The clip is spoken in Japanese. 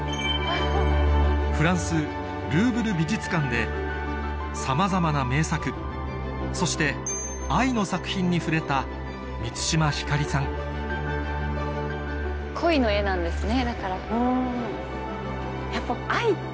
フランスでさまざまな名作そして愛の作品に触れた満島ひかりさん恋の絵なんですね。